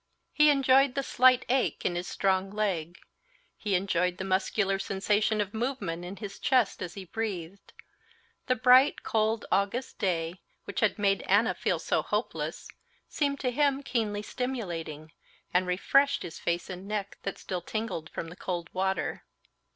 He enjoyed the slight ache in his strong leg, he enjoyed the muscular sensation of movement in his chest as he breathed. The bright, cold August day, which had made Anna feel so hopeless, seemed to him keenly stimulating, and refreshed his face and neck that still tingled from the cold water.